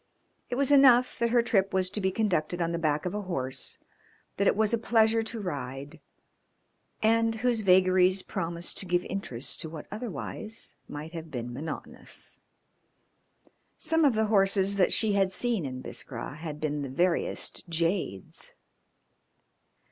It was enough that her trip was to be conducted on the back of a horse that it was a pleasure to ride and whose vagaries promised to give interest to what otherwise might have been monotonous. Some of the horses that she had seen in Biskra had been the veriest jades.